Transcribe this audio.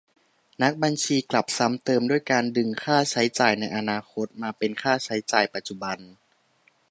นักบัญชีกลับซ้ำเติมด้วยการดึงค่าใช้จ่ายในอนาคตมาเป็นค่าใช้จ่ายปัจจุบัน ?